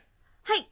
はい。